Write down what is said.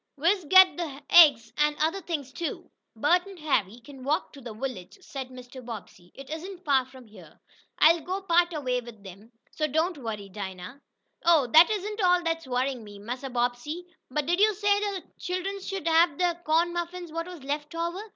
"We's got t' hab eggs, an' other things too." "Bert and Harry can walk to the village," said Mr. Bobbsey. "It isn't far from here. I'll go part way with them. So don't worry, Dinah." "Oh, dat isn't all dat's worryin' me, Massa Bobbsey. But did yo' say de chillums could hab dem corn muffins whut was left over?"